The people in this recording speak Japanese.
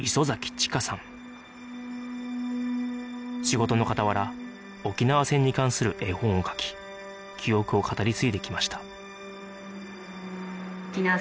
仕事の傍ら沖縄戦に関する絵本を描き記憶を語り継いできました